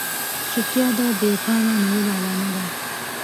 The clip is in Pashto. چوپتيا د بې پامه نيولو علامه ده.